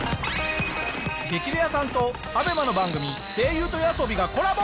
『激レアさん』とＡＢＥＭＡの番組『声優と夜あそび』がコラボ。